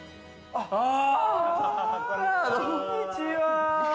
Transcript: こんにちは。